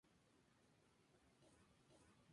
Josef Clemens.